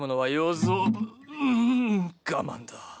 うう我慢だ。